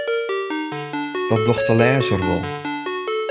Dat docht de lêzer wol.